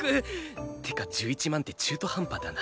っていうか１１万って中途半端だな。